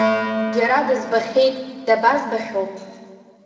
Џьара дызбахьеит, дабазбахьоу?